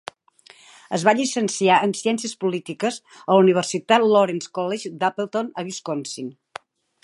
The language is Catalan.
Es va llicenciar en ciències polítiques a la Universitat Lawrence College d'Appleton, a Wisconsin.